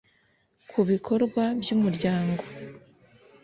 Ku bikorwa by Umuryango